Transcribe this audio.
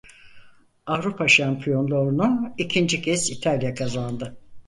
Avrupa şampiyonluğunu ikinci kez İtalya kazandı.